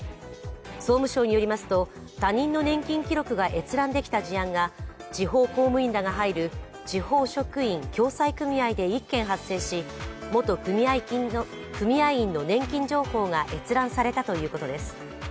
総務省によりますと、他人の年金記録が閲覧できた事案が地方公務員らが入る地方職員共済組合で１件発生し元組合員の年金情報が閲覧されたということです。